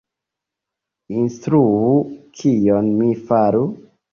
Instruu, kion mi faru?